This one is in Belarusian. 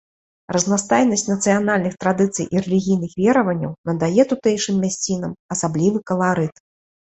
Разнастайнасць нацыянальных традыцый і рэлігійных вераванняў надае тутэйшым мясцінам асаблівы каларыт.